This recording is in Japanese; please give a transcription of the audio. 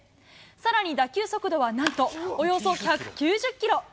さらに、打球速度はなんとおよそ１９０キロ。